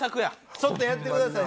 ちょっとやってください